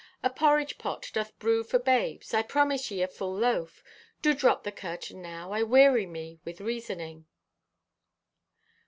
A porridge pot doth brew for babes; I promise ye a full loaf. Do drop the curtain now, I weary me with reasoning."